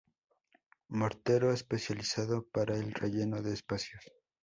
Mortero especializado para el relleno de espacios.